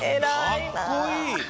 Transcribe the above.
かっこいい！